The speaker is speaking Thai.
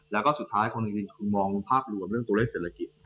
แล้วก็สุดท้ายคุณมองภาพรวมเรื่องตัวเล่นเศรษฐกิจ